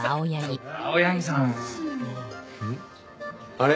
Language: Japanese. あれ？